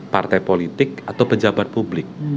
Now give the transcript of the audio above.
partai politik atau pejabat publik